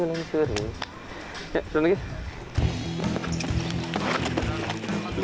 ya selamat tinggal